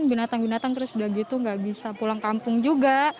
binatang binatang terus udah gitu nggak bisa pulang kampung juga